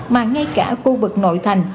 mà ngay cả khu vực nội thành